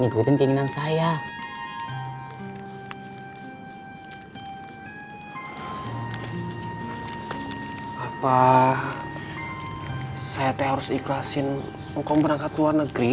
ngikutin keinginan saya apa saya teh harus ikhlasin engkau menangkat luar negara